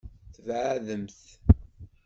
Tbeɛdemt.